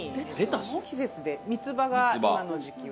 季節で三つ葉が今の時季は。